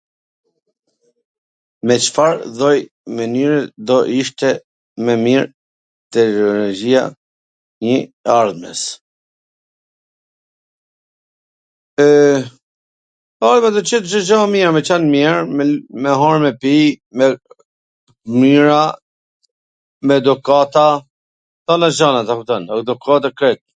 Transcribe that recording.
Me Cfar lloj mwnyre do ishte mw mir teknologjia e sw ardhmes? E, e ardhmja do qe me qen mir, me hangwr e me pi, me t mira, m edukata, po me gjana e kupton, edukata krejt...